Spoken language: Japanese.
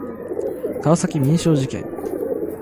川崎民商事件